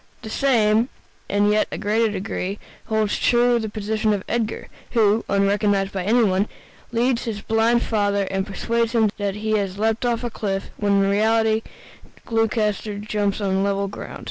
The same, in a yet greater degree, holds true of the position of Edgar, who, unrecognized by any one, leads his blind father and persuades him that he has leapt off a cliff, when in reality Gloucester jumps on level ground.